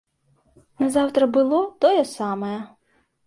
Назаўтра было тое самае.